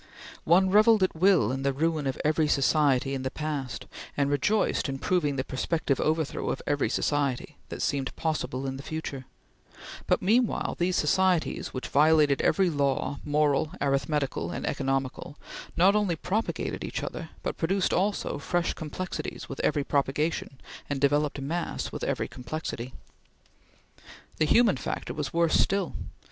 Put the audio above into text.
One revelled at will in the ruin of every society in the past, and rejoiced in proving the prospective overthrow of every society that seemed possible in the future; but meanwhile these societies which violated every law, moral, arithmetical, and economical, not only propagated each other, but produced also fresh complexities with every propagation and developed mass with every complexity. The human factor was worse still.